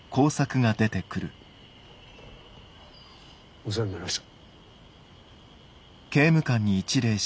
お世話になりました。